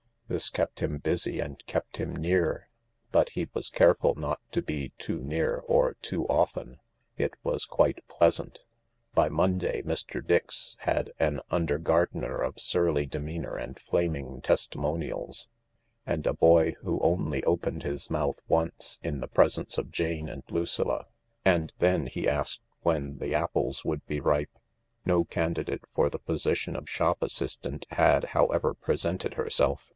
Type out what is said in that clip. This kept him busy and kept him near : but he was careful not to be too near or too often. It was quite pleasant. By Monday Mr. Dix had an under gardener of surly demeanour and flaming testimonials, and a boy who only opened his mouth once in the presence of Jane and Lucilla, and then he asked when the apples would be ripe. No candidate for the position of shop assistant had, however, presented herself.